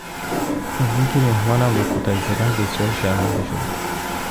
از این که مهمانم را کتک زدند بسیار شرمنده شدم.